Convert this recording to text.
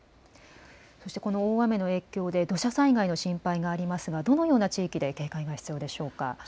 この大雨の影響で土砂災害の心配がありますがどのような地域で警戒が必要でしょうか。